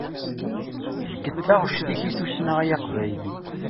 Efk-d taɣect-ik i tussna, ay aqbayli.